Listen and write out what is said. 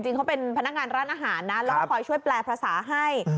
เขาเป็นพนักงานร้านอาหารนะแล้วก็คอยช่วยแปลภาษาให้